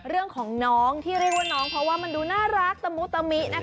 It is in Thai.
เรื่องของน้องที่เรียกว่าน้องเพราะว่ามันดูน่ารักตะมุตะมินะคะ